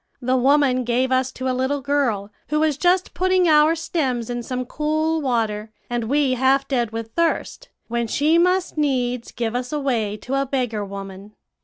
The woman gave us to a little girl, who was just putting our stems in some cool water, and we half dead with thirst, when she must needs give us away to a beggar woman.'